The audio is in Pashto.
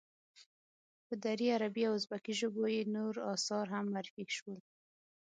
په دري، عربي او ازبکي ژبو یې نور آثار هم معرفی شول.